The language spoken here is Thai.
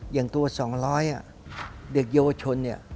อย่างตัว๒๐๐เด็กเยาวชน